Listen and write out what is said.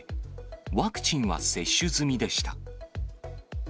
ワクチンは接種済みでした。